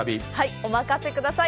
お任せください。